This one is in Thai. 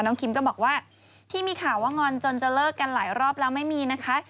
คิมก็บอกว่าที่มีข่าวว่างอนจนจะเลิกกันหลายรอบแล้วไม่มีนะคะ